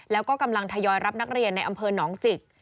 แล้วก็กำลังทยอยรับนักเรียนในอำเภอหนองจิก